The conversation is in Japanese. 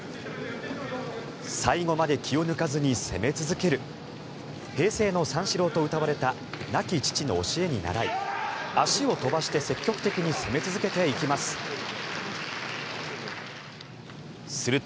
最後まで気を抜かずに攻め続ける平成の三四郎とうたわれた亡き父の教えにならい足を飛ばして積極的に攻め続けていきます。